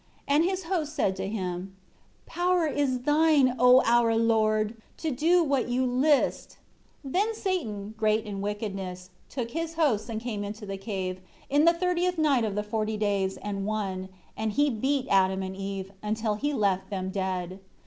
And his hosts said to him, "Power is thine, O our lord, to do what you list." 3 Then Satan, great in wickedness, took his hosts and came into the cave, in the thirtieth night of the forty days and one; and he beat Adam and Eve, until he left them dead.